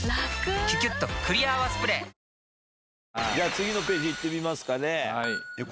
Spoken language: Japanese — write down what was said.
次のページいってみますかね。